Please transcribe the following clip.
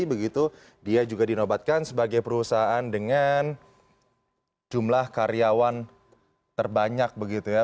begitu dia juga dinobatkan sebagai perusahaan dengan jumlah karyawan terbanyak begitu ya